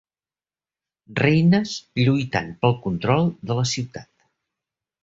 Reines lluitant pel control de la ciutat.